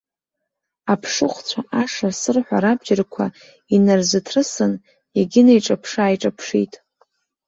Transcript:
Аԥшыхәцәа ашыр-сырҳәа рабџьарқәа инарзыҭрысын, иагьынеиҿаԥшы-ааиҿаԥшит.